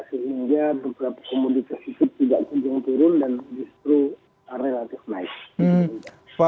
sehingga beberapa komoditas itu tidak kunjung turun dan justru relatif naik